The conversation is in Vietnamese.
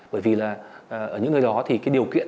bởi vì là ở những nơi đó thì cái điều kiện